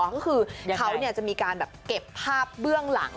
ก็คือเขาจะมีการแบบเก็บภาพเบื้องหลัง